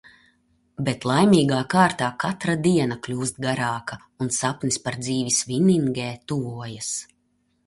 Bet laimīgā kārtā katra diena kļūst garāka un sapnis par dzīvi Svinningē tuvojas.